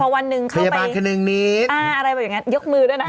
วันหนึ่งเข้าไปอะไรแบบอย่างนั้นยกมือด้วยนะ